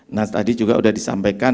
nah tadi juga sudah disampaikan